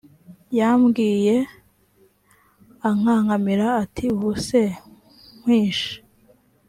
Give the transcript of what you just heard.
yambwiye ankankamira ati ubu se nkwishe